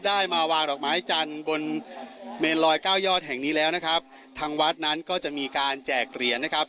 ได้มาวางดอกไม้จันทร์บนเมนลอยเก้ายอดแห่งนี้แล้วนะครับทางวัดนั้นก็จะมีการแจกเหรียญนะครับ